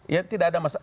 ya tidak ada masalah